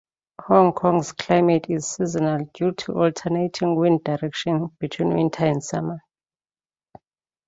Hong Kong's climate is seasonal due to alternating wind direction between winter and summer.